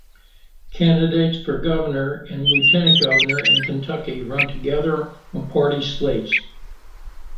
Candidates for governor and lieutenant governor in Kentucky run together on party slates.